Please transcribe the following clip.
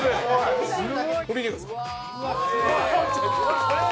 すごい！